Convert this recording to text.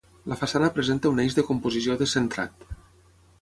La façana presenta un eix de composició descentrat.